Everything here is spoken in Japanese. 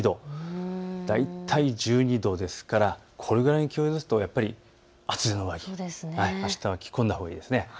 大体１２度ですからこれぐらいの気温ですと厚手の上着、あしたは着込んだほうがいいですね。